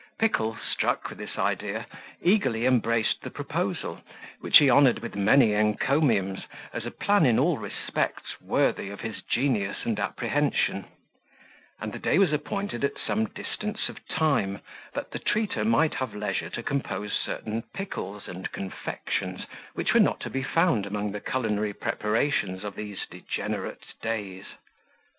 Pickle, struck with this idea, eagerly embraced the proposal, which he honoured with many encomiums, as a plan in all respects worthy of his genius and apprehension; and the day was appointed at some distance of time, that the treater might have leisure to compose certain pickles and confections which were not to be found among the culinary preparations of these degenerate days.